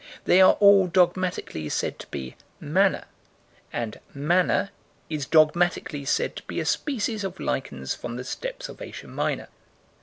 They are all dogmatically said to be "manna"; and "manna" is dogmatically said to be a species of lichens from the steppes of Asia Minor.